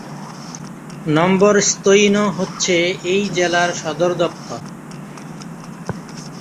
নম্বরস্তৈন হচ্ছে এই জেলার সদরদপ্তর।